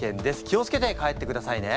気を付けて帰ってくださいね。